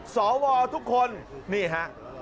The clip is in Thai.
สวทุกคนนี่ฮะ